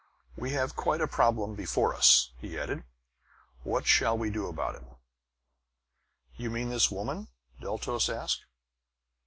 We have quite a problem before us," he added. "What shall we do about it?" "You mean this woman?" Deltos asked.